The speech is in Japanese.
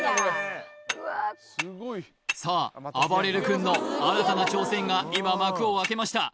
さああばれる君の新たな挑戦が今幕を開けました